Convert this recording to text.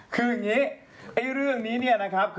คืออย่างนี้เรื่องนี้เนี่ยนะครับ